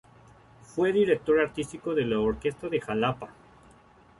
Fue director artístico de la Orquesta de Jalapa.